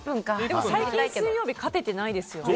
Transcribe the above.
最近、水曜日勝ててないですよね。